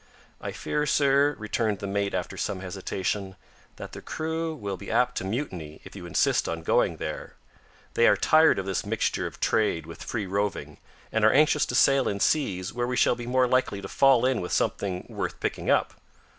"I fear, sir," returned the mate after some hesitation, "that the crew will be apt to mutiny, if you insist on going there. They are tired of this mixture of trade with free roving, and are anxious to sail in seas where we shall be more likely to fall in with something worth picking up."